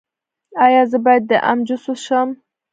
ایا زه باید د ام جوس وڅښم؟